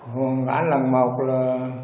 hùng vãn lần một là